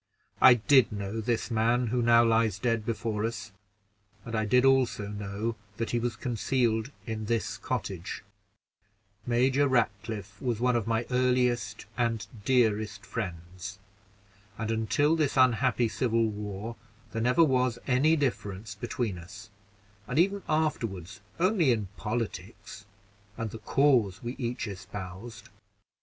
I did know this man who now lies dead before us, and I did also know that he was concealed in this cottage; Major Ratcliffe was one of my earliest and dearest friends, and until this unhappy civil war, there never was any difference between us, and even afterward only in politics, and the cause we each espoused.